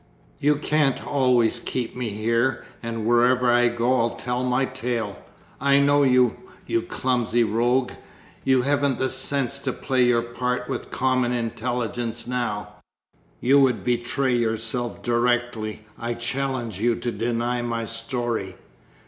You can't always keep me here, and wherever I go I'll tell my tale. I know you, you clumsy rogue, you haven't the sense to play your part with common intelligence now. You would betray yourself directly I challenged you to deny my story....